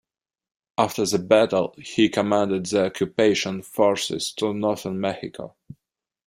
After the battle, he commanded the occupation forces of northern Mexico.